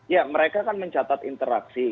ya mereka kan mencatat interaksi